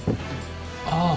ああ